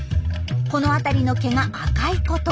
この辺りの毛が赤いこと。